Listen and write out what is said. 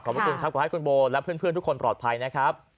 ขอบคุณครับขอให้คุณโบและเพื่อนทุกคนปลอดภัยนะครับ